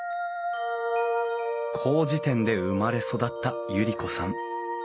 こうじ店で生まれ育った百合子さん。